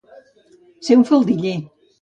Ser un faldiller.